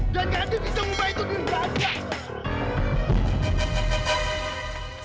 dan gado bisa mengubah itu diri dia aja